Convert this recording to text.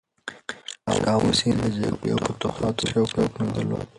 شاه حسین د جګړې او فتوحاتو هیڅ شوق نه درلود.